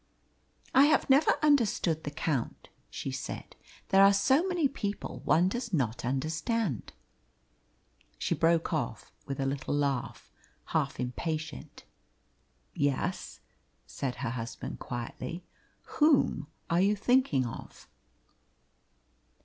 "I have never understood the Count," she said. "There are so many people one does not understand." She broke off with a little laugh, half impatient. "Yes," said her husband quietly. "Whom are you thinking of?"